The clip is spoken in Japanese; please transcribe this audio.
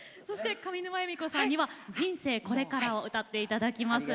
上沼恵美子さんには「人生これから」を歌っていただきます。